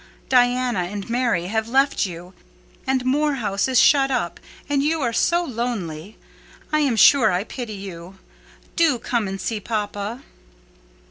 Diana and Mary have left you, and Moor House is shut up, and you are so lonely. I am sure I pity you. Do come and see papa."